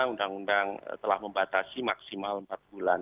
undang undang telah membatasi maksimal empat bulan